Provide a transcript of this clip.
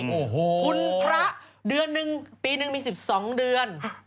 คุณพระปีนึงมี๑๒เดือน